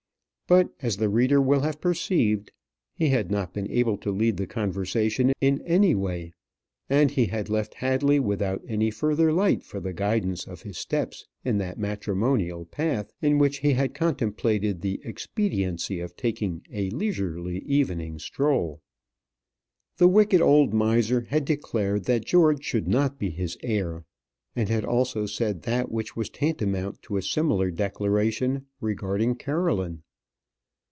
But, as the reader will have perceived, he had not been able to lead the conversation in any way; and he had left Hadley without further light for the guidance of his steps in that matrimonial path in which he had contemplated the expediency of taking a leisurely evening stroll. The wicked old miser had declared that George should not be his heir; and had also said that which was tantamount to a similar declaration regarding Caroline.